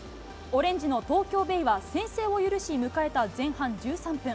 オレンジの東京ベイは、先制を許し、迎えた前半１３分。